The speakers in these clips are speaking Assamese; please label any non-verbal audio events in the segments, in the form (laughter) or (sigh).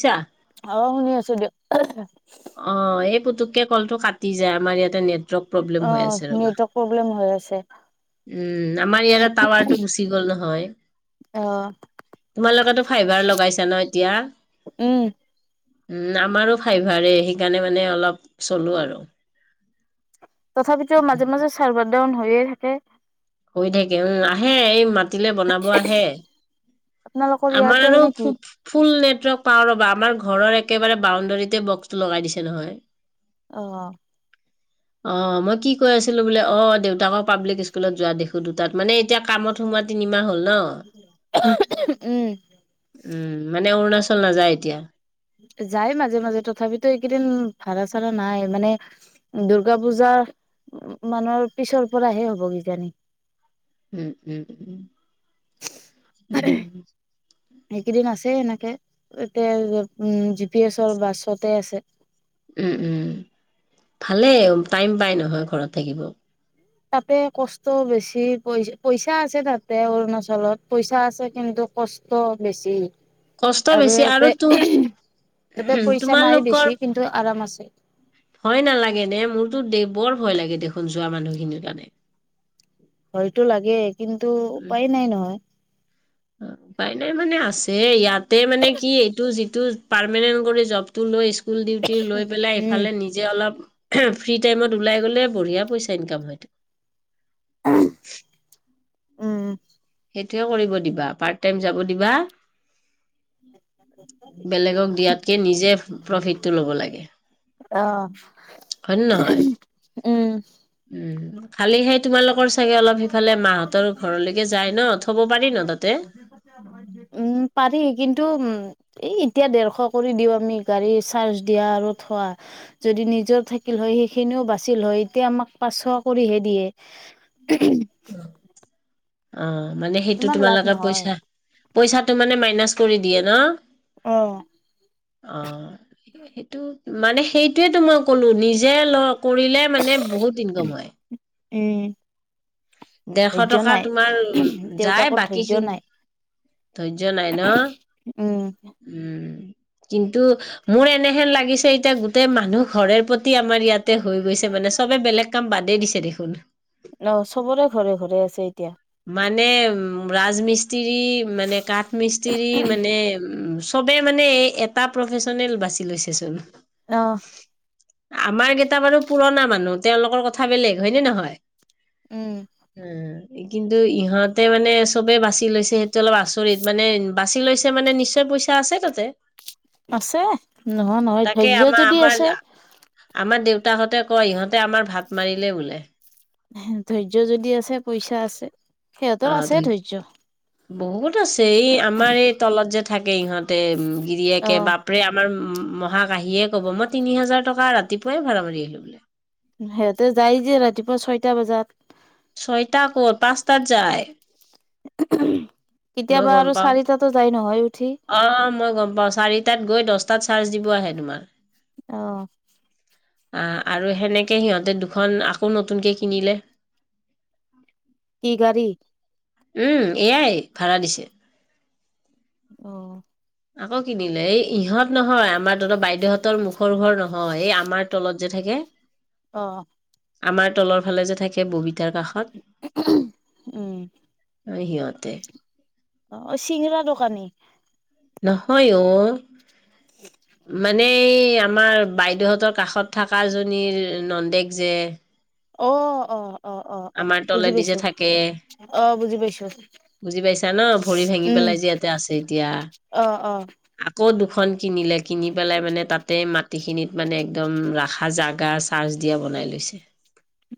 ছা। অ' শুনি আছো দিয়ক। অ' এই পুতুককে কলটো কাটি যায়, আমাৰ ইয়াতে নেট অ' নেটৱৰ্ক প্ৰব্লেম হৈ আছে। উম' আমাৰ ইয়াৰে টাৱাৰটো গুচি গ'ল নহয়। অ তোমালোকেটো ফাইভাৰ লগাইছা ন, এতিয়া? উম উম' আমাৰো ফাইভাৰে সেইকাৰণে মানে অলপ চলো আৰু। তথাপিতো মাজে মাজে চাৰ্ভাৰ ডাউন হৈয়েই থাকে। হয় থাকে উম', আহে এই মাতিলে বনাব আহে। আপোনালোকৰ আমাৰ এয়াৰটেল আৰু নেকি ফো ফুল নেটৱৰ্ক পাওঁ ৰ'বা, আমাৰ ঘৰৰ একেবাৰে বাউণ্ডাৰীতে বক্সটো লগাই দিছে নহয়। অ'। অ' মই কি কৈ আছিলো বোলে, অ' দেউতাকৰ পাব্লিক স্কুলত যোৱা দেখ দুটাত মানে এতিয়া কামত সোমোৱা তিনিমাহ হ'ল ন। উম'। উম' মানে অৰুণাচল নাযায় এতিয়া? যায়, মাজে মাজে তথাপিতো এইকেইদিন ভাড়া চাড়া নাই মানে দুৰ্গা পূজা মানৰ পিছৰ পৰাহে হব কিজানি। উম', উম', উম'। এইকেইদিন আছেই এনেকে, এতিয়া জি পি এছৰ বাছতে আছে। উম' উম', ভালেই টাইম পাই নহয় ঘৰত থাকিব। তাতে কষ্ট বেছি, পই পইচা আছে তাতে অৰুণাচলত পইচা আছে, কিন্তু কষ্ট বেছি। কষ্ট আৰু বেছি ইয়াতে তো ইয়াতে পইচা নাই তোমালোকৰ বেছি, কিন্তু আৰাম আছে। ভয় নালাগে নে, মোৰতো দে বৰ ভয় লাগে দেখোন, যোৱা মানুহখিনিৰ কাৰণে। ভয়তো লাগে, কিন্তু উপায় নাই নহয়। উপাই নাই মানে আছে, ইয়াতে মানে কি এইটো যিটো পাৰ্মানেণ্ট কৰি জব টো লৈ, স্কুল ডিউটি লৈ পেলাই উম ইফালে নি যে অলপ, ফ্ৰী টাইমত ওলাই গ'লে বঢ়িয়া পইচা ইনকাম হয়তো। উম'। সেইটোৱে কৰিব দিবা, পাৰ্ট টাইম যাব দিবা। বেলেগক দিয়াতকে, নিজে প্ৰফিতটো ল'ব লাগে। অ'। হয় নে নহয় উম উম খালি সেই তোমালোকৰ চাগে অলপ সিফালে মাহঁতৰ ঘৰলৈকে যায় ন থব পাৰি ন তাতে উম পাৰি কিন্তু উম এই এতিয়া দেৰশ কৰি দিও আমি গাড়ী চাৰ্জ দিয়া আৰু থোৱা যদি নিজৰ থাকিল হয় সেইখিনিও বাচিল হয় এতিয়া আমাক পাঁচশ কৰিহে দিয়ে (inaudible) অ' মানে সেইটো ইমান লাভ তোমালোকে নহয় পইচা পইচাটো মানে মাইনাছ কৰি দিয়া ন অ' অ' সেইটো মানে সেইটোৱেটো মই ক'লো নিজে ল কৰিলে মানে বহুত ইনকম হয় উম দেৰশ ধৈৰ্য্য টকা নাই তোমাৰ যায় দেউতাকৰ বাকী ধৈৰ্য্য খিনি নাই ধৈৰ্য নাই ন উম উম কিন্তু মোৰ এনেহেন লাগিছে এতিয়া গোটেই মানুহ ঘৰে প্ৰত তি আমাৰ ইয়াতে হৈ গৈছে মানে চবে বেলেগ কাম বাদেই দিছে দেখোন অ' চবৰে ঘৰে ঘৰে আছে এতিয়া মানে উম ৰাজমিস্ত্ৰী মানে কাঠ মিস্ত্ৰী মানে চবেই মানে এই এটা প্ৰফেচনেল বাছি লৈছেচোন অ' আমাৰ কেইটা বাৰু পুৰণা মানুহ তেওঁলোকৰ কথা বেলেগ হয়নে নহয় উম উম কিন্তু ইহঁতে মানে চবেই বাছি লৈছে সেইটো অলপ আচৰিত মানে বাচি লৈছে মানে নিশ্চয় পইচা আছে তাতে আছে নোহোৱা নহয় তাকে ধৈৰ্য্য আমাৰ যদি আমাৰ আছে আমাৰ দেউতাকহঁতে কয় ইহঁতে আমাৰ ভাত মাৰিলে বোলে ধৈৰ্য্য যদি আছে পইচা আছে সিহঁতৰ অ' আছে ধৰি ধৈৰ্য্য বহুত আছে এই আমাৰ এই তলত যে থাকে ইহঁতে অ গিৰিয়েকে বাপ ৰে আমাৰ মহাক আহিয়ে ক'ব মই তিনি হাজাৰ টকা ৰাতিপুৱাই ভাড়া মাৰি আহিলোঁ বোলে সিহঁতে যায় যে ৰাতিপুৱা ছয়টা বজাত ছয়টা কত পাঁচটাত যায় মই কেতিয়াবা গম আৰু পাওঁ চাৰিটাতো যায় নহয় উঠি অ' মই গম পাওঁ চাৰিটাত গৈ দছটাত চাৰ্জ দিব আহে তোমাৰ অ' অ' আৰু হেনেকে সিহঁতে দুখন আকৌ নতুনকৈ কিনিলে কি গাড়ী উম এয়াই ভাড়া দিছে অ' আকৌ কিনিলে এই ইহঁত নহয় আমাৰ তহঁতৰ বাইদেউহঁতৰ মুখৰ ঘৰ নহয় এই আমাৰ তলত যে থাকে অ' আমাৰ তলৰ ফালে যে থাকে ববিতাৰ কাষত উম এ সিহঁতে অ' চিংৰা দোকানী নহয় অ' (inaudible) মানে এই আমাৰ বাইদেউহঁতৰ কাষত থাকাজনীৰ নন্দেক যে অ' অ অ অ অ আমাৰ বুজি তলেদি যে পাইছোঁ থাকে অ বুজি পাইছোঁ। বুজি পাইছা ন ভৰি ভাঙি পেলাই যে ইয়াতে আছে এতিয়া অ অ আকৌ দুখন কিনিলে কিনি পেলাই মানে তাতে মাটিখিনিত মানে একদম ৰাখা জাগা (unintelligible) দিয়া বনাই লৈছে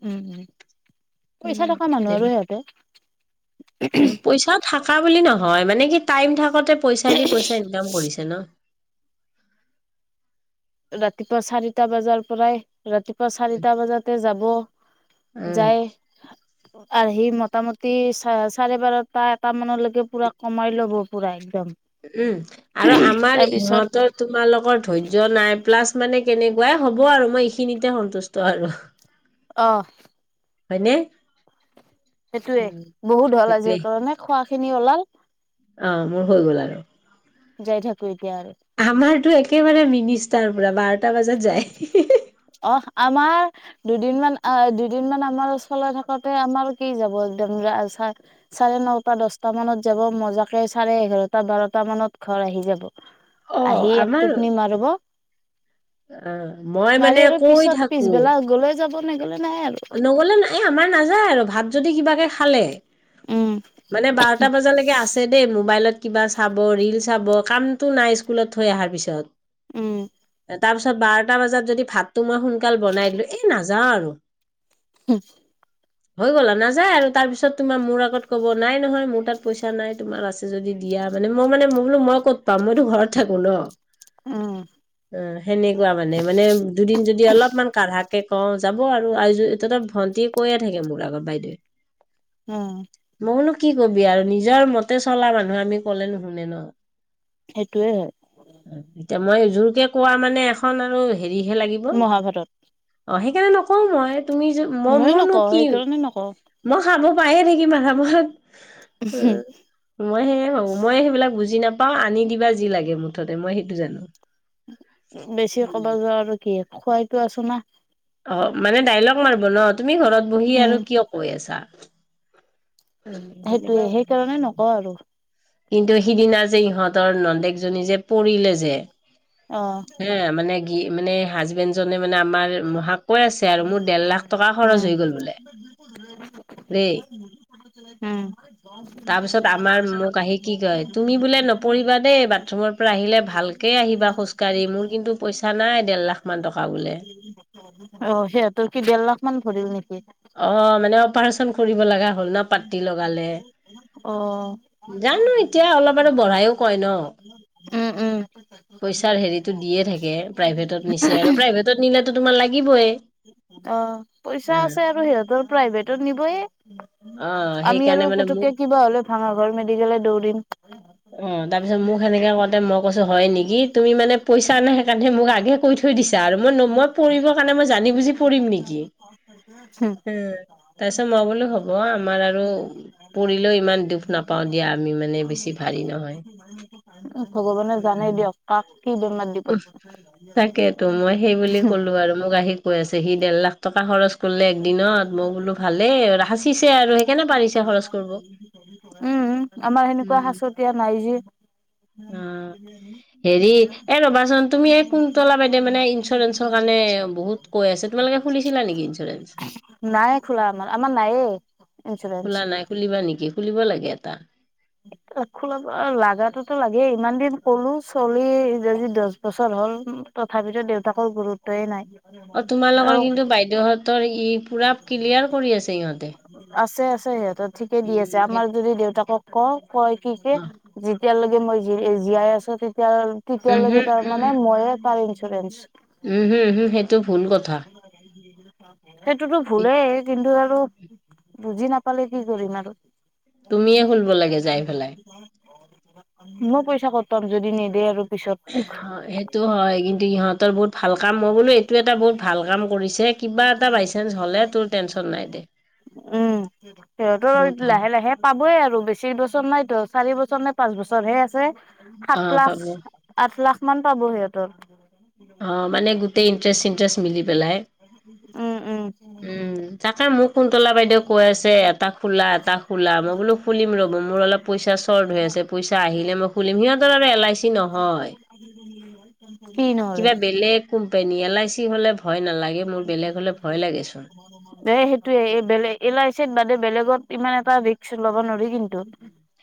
উম উম পইচা উম। থকা মানুহ আৰু সিহঁতে পইচাও থাকা বুলি নহয় মানে কি টাইম থাকোতে পইচা দি পইচা ইনকাম কৰিছে ন ৰাতিপুৱা চাৰিটা বাজাৰ পৰাই ৰাতিপুৱা চাৰিটা বাজাতে যাব, উম যায় আহি মটামটি চা চাৰে বাৰটা এটা মানলৈকে পুৰা কমাই ল'ব পুৰা একদম উম আৰু আমাৰ তাৰপিছত ইহঁতৰ তোমালোকৰ ধৈৰ্য নাই প্লাছ মানে কেনেকুৱা এ হ'ব আৰু মই এইখিনিতে সন্তুষ্ট আৰু অ হয়নে সেইটোৱেই উম। বহুত হ'ল সেইটোৱে আজিৰ কাৰণে খোৱা খিনি ওলাল অ' মোৰ হৈ গ'ল আৰু যায় থাকোঁ এতিয়া আৰু আমাৰতো একেবাৰে মিনিষ্টাৰ পোৰা বাৰটা বাজাত যায় অহ আমাৰ দুদিনমান আহ দুদিনমান আমাৰ চলায় থাকোতে আমাৰ কি যাব একদম ৰাজহাড় চাৰে নটা দহটা মানত যাব মজাকে চাৰে এঘাৰটা বাৰটা মানত ঘৰ আহি যাব অ আহি আমাৰ একটোপনি মাৰিব অ মই মাৰি মানে আৰু কৈ পিছত থাকোঁ পিছবেলা গ'লে যাব নেগ'লে নাই আৰু নগ'লে নাই এই আমাৰ নাযায় আৰু ভাত যদি কিবাকে খালে উম মানে বাৰটা বজালৈকে আছ ছে দেই মোবাইলত কিবা চাব। ৰিল চাব কামতো নাই স্কুলত থৈ অহাৰ পিছত উম তাৰ পিছত বাৰটা বজাত যদি ভাতটো মই সোনকাল বনাই দিলোঁ এই নাযাওঁ আৰু হো হৈ গ'ল আৰু নাযায় আৰু তাৰ পিছত তোমাৰ মোৰ আগত ক'ব নাই নহয় মোৰ তাত পইচা নাই তোমাৰ আছ ছে যদি দিয়া মানে মই মানে মই বোলো মই ক'ত পাম মইতো ঘৰত থাকো ন উম আ সেনেকুৱা মানে মানে দুদিন যদি অলপমান কাঢ়াকে কওঁ যাব আৰু আই য এতিয়া ত' ভণ্টি কৈয়ে থাকে মোৰ আগত বাইদেৱে উম মোৰনো কি কবি আৰু নিজৰ মতে চলা মানুহ আমি ক'লে নুশুনে ন সেইটোৱে হয় এতিয়া মই জোৰকে কোৱা মানে এখন আৰু হেৰিহে লাগিব অ মহাভাৰত সেইকাৰণে নকওঁ মই তুমি য মই ময়ো মোৰনো নকওঁ কি সেইকাৰণে নকওঁ মই খাব পায়ে থাকিম আৰামত। ও। মই সেয়াই ভাবো মই সেইবিলাক বুজি নাপাওঁ আনি দিবা যি লাগে মুঠতে মই সেইটো জানো বেছি ক'ব যোৱা আৰু কি খোৱাইতো আছোঁ না অ' মানে ডাইলগ মাৰিব ন তুমি ঘৰত বহি উম আৰু কিয় কৈ আছা উম, সেইটোয়ে, সেনেকুৱা সেইকাৰণে নকওঁ আৰু। কিন্তু সিদিনা যে ইহঁতৰ নন্দেকজনী যে পৰিলে যে। অ'। এ মানে, কি মানে হাজবেণ্ডজনে মানে আমাৰ হা' কয় আছে আৰু মোৰ দেৰ লাখ টকা খৰচ হৈ উম গ'ল বোলে, দেই। উম। তাৰপিছত আমাৰ, মোক আহি কি কয় তুমি বোলে নপৰি ৰিবা দেই, বাথৰুমৰ পৰা আহিলে ভালকে আহিবা খোজকাঢ়ি, মোৰ কিন্তু পইছা নাই দেৰ লাখ মান টকা বোলে। অ', সিহঁতৰ কি ডেৰ লাখ মান ভৰিল নেকি। অ', মানে অপাৰেচন কৰিব লগা হ'ল ন পাতি লগালে। অ', জানো এতিয়া অলপ আৰু উম বঢ়াইও কয় ন উম। (unintelligible) পইচাৰ হেৰিটো অ', দিয়ে থাকে প্ৰাইভেটত পইচা নিছে আৰু প্ৰাইভেটত নিলেতো আছে তোমাৰ লাগিবই আৰু সিহঁতৰ অ' প্ৰাইভেটত নিবয়ে। অ' আমি সেইকাৰণে আৰু মানে মোক পোতোতকে কিবা হ'লে ভাঙাঘৰ মেডিকলে দৌৰিম। উম, তাৰপিছত মোক সেনেকে কওঁতে, মই কৈছো হ'য় নেকি, তুমি মানে পইচা নাই সেইকাৰণে মোক আগে কৈ থয় থৈ দিছা আৰু মই ন, মই পৰিবৰ কাৰণে মই জানি বুজি পৰিম নেকি। (unintelligible) হম, তাৰপিছত মই বোলো হ'ব আমাৰ আৰু পৰিলেও ইমান দুখ নাপাওঁ দিয়া আমি মানে বেছি ভাৰী নহয়। ভগৱানে জানে দিয়ক, কাক কি বেমাৰ দিব তাকেইতো মই সেই বুলি ক'লো আৰু মোক আহি কৈ আছে, সি দেৰ লাখ টকা খৰচ গ'লে একদিনত, মই বোলো ভালেই সাঁচিছে আৰু সেইকাৰনে পাৰিছে খৰচ কৰিব। উম, আমাৰ সেনেকুৱা উম। শাঁচতীয়া নাই যে। অ', হেৰি এ ৰ'বাচোন তুমি এই (unintelligible) কুন্তলা বাইদেউ মানে ইঞ্চুৰেঞ্চৰ কাৰণে বহুত কৈ আছে তোমালোকে খুলিছিলা নেকি (unintelligible) ইঞ্চুৰেঞ্চ? নাই খোলা আমাৰ, আমাৰ নাইয়ে খোলা ইঞ্চুৰেন্ঞ্চ। নাই খুলিবা নেকি, খুলিব লাগে এটা। খোলা, লাগাতো লাগে, ইমান দিন ক'লো চলিৰ যদি দহ বছৰ হ'ল তথাপিতো দেউতাকৰ গুৰুত্বই নাই, আৰু ইহঁতৰ সি পোৰা ক্লিয়াৰ কৰি আছে ইহঁতে। আছে আছে, সিহঁতৰ ঠিকে দি আছে, উম, সেই আমাৰ যদি দেউতাকক কওঁ, কয় কি কি, অ', যেতিয়ালৈকে মই জী জীয়াই আছো, তেতিয়া উমহু, তেতিয়ালৈকে তাৰ মানে মইয়ে তাৰ ইঞ্চুৰেঞ্চ। উম হম হম, সেইটো ভুল কথা। সেইটোতো ভুলেই, কিন্তু আৰু, বুজি নাপালে কি কৰিম আৰু। তুমিয়ে খুলিব লাগে যাই পেলাই। (unintelligible) মই পইচা ক'ত পাম, যদি নেদে আৰু পিছত অ', এইটো হয়, কিন্তু ইহঁতৰ বহুত ভাল কাম, মই বোলো এইটো এটা বহুত ভাল কাম কৰিছে, কিবা এটা বাইচান্স হ'লে তোৰ টেনশ্যন নাই দে। উম, সিহঁতোৰ বহুত ভাল লাহে লাহে পাবই আৰু বেছি বছৰ নাইতো, চাৰি বছৰ নে পাঁচ বছৰ হে আছে, অ সাত লাখ পাব আঠ লাখ মান পাব সিহঁতৰ। অ', মানে গোটেই ইণ্টাৰেষ্ট চিন্টাৰেষ্ট মিলি পেলাই। উম, উম। উম। তাকে মোক কুন্তলা বাইদেউ কৈ আছে এটা খোলা, এটা খোলা, মই বোলো খুলিম ৰ'ব মোৰ অলপ পইচা চৰ্ট হৈ আছে পইচা আহিলে মই খুলিম, সিহঁতৰ আৰু এল আই চি নহয়। কি নহ'লে? কোম্পেনী, এল আই চি হলে ভয় নালাগে মোৰ বেলেগ হ'লে ভয় লাগে। এ সেইটোয়ে এই বেলেগ এল আই ছিৰ বাদে বেলেগত ইমান এটা ৰিক্স ল'ব নোৱৰি কিন্তু।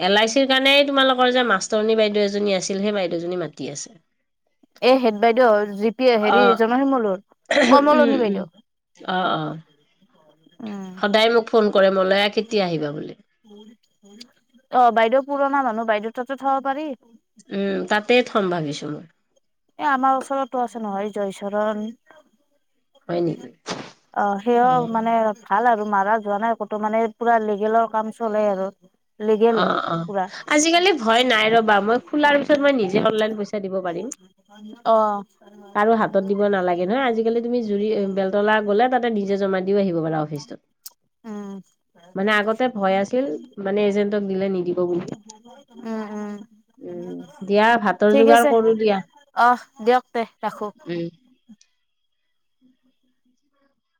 এল আই চিৰ কাৰণেই তোমালোকৰ যে মাষ্টৰণী বাইদেউ এজনী আছিল, সেই বাইদেউজনী মাতি আছে। এ হেদ বাইদেউ যি পি এ হেৰি অ জনশিমলুৰ উম, কমলনি উম, বাইদেউ অ', অ', উম সদায় মোক ফোন কৰে মলয়া কেতিয়া আহিবা বুলি অ', বাইদেউ পুৰণা মানুহ বাইদেউৰ তাতো থ'বা পাৰি। উম, তাতেই থ'ম ভাবিছোঁ মই। এ আমাৰ ওচৰতো আছে নহয় জয়চৰণ। হয় নেকি? অ', সেইয়াও মানে ভাল আৰু মাৰা যোৱা নাই ক'তো, মানে পুৰা লিগেলৰ কাম চলে আৰু। লিগেল অ', অ'। পুৰা। আজিকালি ভয় নাই ৰ'বা, মই খোলাৰ পিছত মই নিজে অনলাইন পইচা দিব পাৰিম। অ কাৰো হাতত দিব নালাগে নহয়, আজিকালি তুমি জুৰি বেলতলা গ'লে তাত তে নিজে জমা দিও আহিব পাৰা। উম মানে আগতে ভয় আছিল মানে এজেন্টক দিলে নিদিব। বুলি। উম, উম। উম, দিয়া ভাতৰ ঠিক যোগাৰ আছে, কৰো দিয়া অ'স, দিয়ক তে ৰাখোঁ। উম।